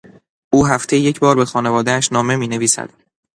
او هفتهای یکبار به خانوادهاش نامه مینویسد.